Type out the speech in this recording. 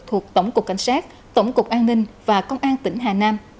thuộc tổng cục cảnh sát tổng cục an ninh và công an tỉnh hà nam